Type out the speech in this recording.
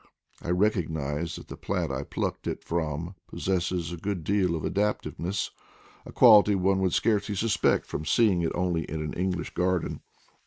I recognize that the plant I plucked it from possesses a good deal of adaptiveness, a quality one would scarcely suspect from seeing it only in an English garden.